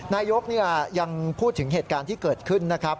นายกยังพูดถึงเหตุการณ์ที่เกิดขึ้นนะครับ